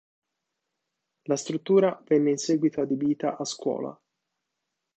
La struttura venne in seguito adibita a scuola.